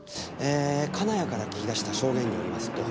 金谷から聞き出した証言によりますと